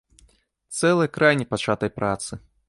Цэлы край непачатай працы!